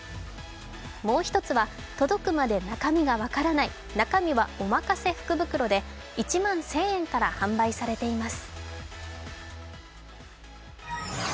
もう１つは、届くまで中身が分からない中身はおまかせ福袋で１万１０００円から販売されています。